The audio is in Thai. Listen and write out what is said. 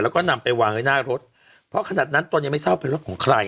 แล้วก็นำไปวางไว้หน้ารถเพราะขนาดนั้นตนยังไม่ทราบเป็นรถของใคร